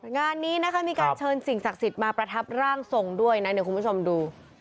งานนี้นะคะมีการเชิญสิ่งศักดิ์สิทธิ์มาประทับร่างทรงด้วยนะเดี๋ยวคุณผู้ชมดู